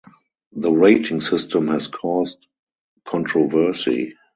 The rating system has caused controversy.